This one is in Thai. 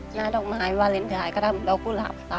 หน้าดอกไม้วาเลนส์ขายกระทงแล้วกุราฟก็ถ่าย